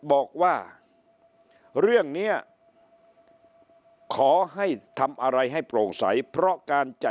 บอกว่าเรื่องนี้ขอให้ทำอะไรให้โปร่งใสเพราะการจะ